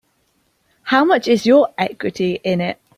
How much is your equity in it?